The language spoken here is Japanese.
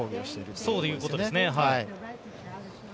そういうことですね。